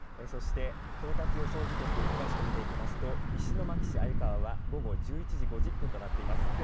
そして到達予想時刻詳しく見ていきますと石巻市鮎川は午後１１時５０分となっています。